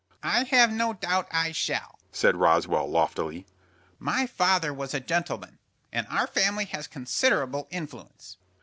"I have no doubt I shall," said Roswell, loftily. "My father was a gentleman, and our family has considerable influence."